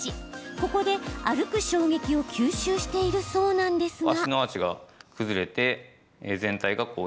ここで、歩く衝撃を吸収しているそうなんですが。